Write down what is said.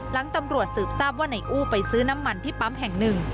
หลังตำรวจสืบทราบว่าในอู้ไปซื้อน้ำมันที่ปั๊มแห่งหนึ่ง